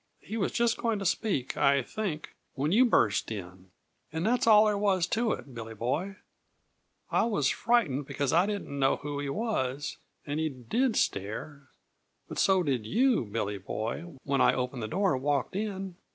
He was just going to speak, I think, when you burst in. And that's all there was to it, Billy Boy. I was frightened because I didn't know who he was, and he did stare but, so did you, Billy Boy, when I opened the door and walked in.